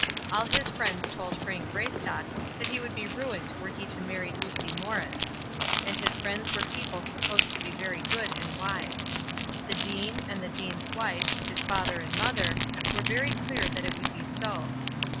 All his friends told Frank Greystock that he would be ruined were he to marry Lucy Morris; and his friends were people supposed to be very good and wise. The dean, and the dean's wife, his father and mother, were very clear that it would be so.